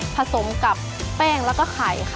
ผสมกับแป้งแล้วก็ไข่ค่ะ